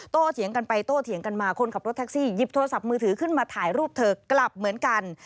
เถียงกันไปโต้เถียงกันมาคนขับรถแท็กซี่หยิบโทรศัพท์มือถือขึ้นมาถ่ายรูปเธอกลับเหมือนกัน